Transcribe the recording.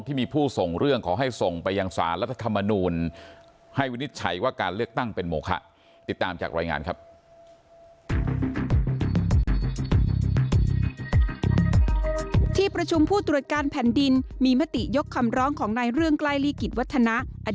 ที่มีผู้ส่งเรื่องขอให้ส่งไปยังสารรัฐคำนวณ